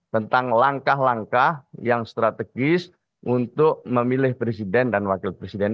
tentang langkah langkah yang strategis untuk memilih presiden dan wakil presiden